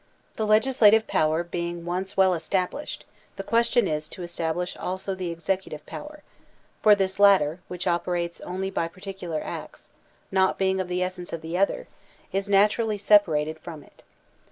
The legislative power being once well established, the question is to establish also the executive power; for this latter, which operates only by particular acts, not being of the essence of the other, is naturally separated from it.